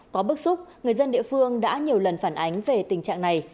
có bức xúc người dân địa phương đã nhiều lần phản ánh về tình trạng này